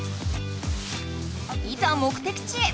いざ目的地へ。